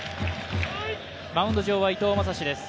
マウンド上は伊藤将司です。